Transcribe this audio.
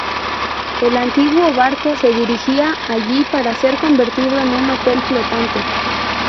El antiguo barco se dirigía allí para ser convertido en un hotel flotante.